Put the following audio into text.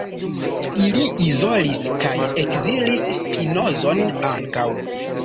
Ili izolis kaj ekzilis Spinozon ankaŭ.